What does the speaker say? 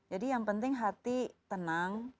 jadi yang penting hati tenang